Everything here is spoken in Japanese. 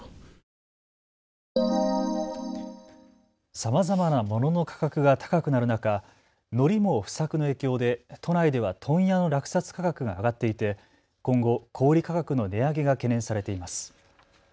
さまざまなものの価格が高くなる中、のりも不作の影響で都内では問屋の落札価格が上がっていて今後、小売価格の値上げが懸念されています。